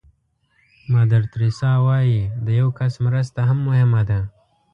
مادر تریسیا وایي د یو کس مرسته هم مهمه ده.